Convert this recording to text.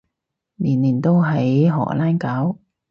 年年都喺荷蘭搞？